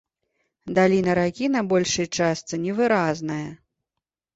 Даліна ракі на большай частцы невыразная.